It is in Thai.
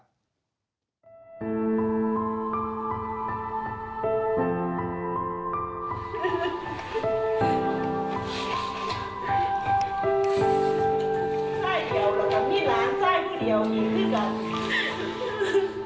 ไส้เดียวหรือเปล่ามีรางไส้ผู้เดียวยิ่งขึ้นหรือ